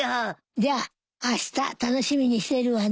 じゃああした楽しみにしてるわね。